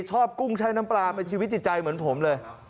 กุ้งใช้น้ำปลาเป็นชีวิตจิตใจเหมือนผมเลย